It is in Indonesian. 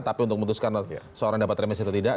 tapi untuk memutuskan seorang dapat remisi atau tidak